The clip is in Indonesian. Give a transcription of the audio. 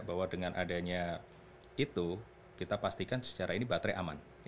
bahwa dengan adanya itu kita pastikan secara ini baterai aman